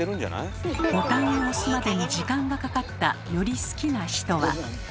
ボタンを押すまでに時間がかかったより好きな人は？